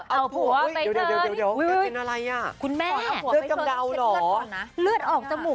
เอาผัวไปเถิญ